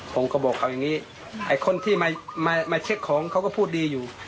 ผมก็บอกเอาอย่างนี้ไอ้คนที่มาเช็คของเขาก็พูดดีอยู่